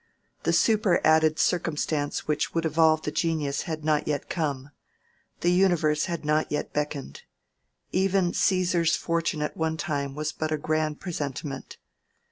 The superadded circumstance which would evolve the genius had not yet come; the universe had not yet beckoned. Even Caesar's fortune at one time was but a grand presentiment.